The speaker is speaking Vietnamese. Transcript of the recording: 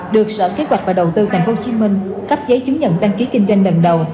được sở kế hoạch và đầu tư tp hcm cấp giấy chứng nhận đăng ký kinh doanh lần đầu